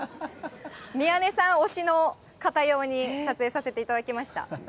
宮根さん推しの方用に撮影させていただきました。